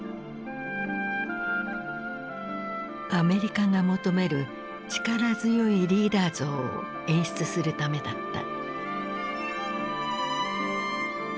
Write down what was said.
アメリカが求める力強いリーダー像を演出するためだった。